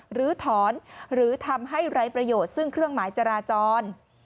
หรือถอนหรือทำให้ไร้ประโยชน์ซึ่งเครื่องหมายจราจร